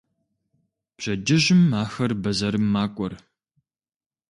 Пщэдджыжьым ахэр бэзэрым макӏуэр.